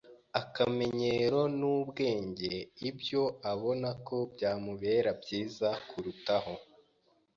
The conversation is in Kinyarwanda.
akamenyero n’ubwenge ibyo abona ko byamubera byiza kurutaho.